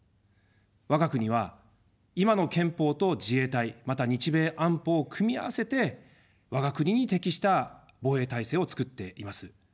我が国は今の憲法と自衛隊、また日米安保を組み合わせて我が国に適した防衛体制を作っています。